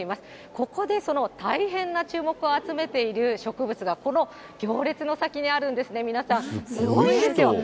ここでその大変な注目を集めている植物がこの行列の先にあるんですね、皆さん。